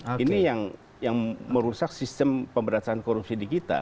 di dalam kpk sendiri bermain politik ini yang merusak sistem pemberdasaran korupsi di kita